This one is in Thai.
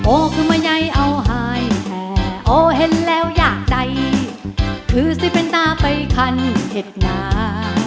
โอ้คือมายัยเอาหายแทโอ้เห็นแล้วยากใจคือสิ้นเป็นตาไปคันเห็ดน้ำ